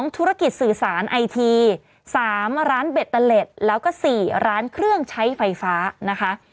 ธุรกิจสื่อสารไอที๓ร้านเบตเตอร์เล็ตแล้วก็๔ร้านเครื่องใช้ไฟฟ้านะคะ